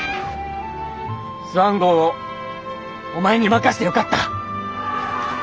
スワン号をお前に任してよかった。